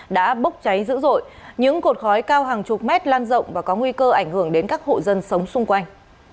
đã bốc cháy dữ dội những cột khói cao hàng chục mét lan rộng và có nguy cơ ảnh hưởng đến các hộ dân sống xung quanh